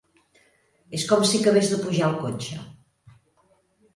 És com si acabés de pujar al cotxe.